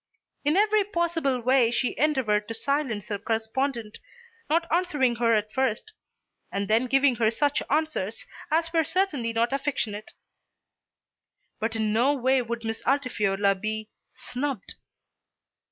In every possible way she endeavoured to silence her correspondent, not answering her at first; and then giving her such answers as were certainly not affectionate. But in no way would Miss Altifiorla be "snubbed."